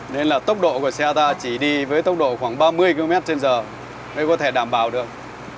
nên là tốc độ của xe ta chỉ đi với tốc độ khoảng ba mươi km trên giờ mới có thể đảm bảo được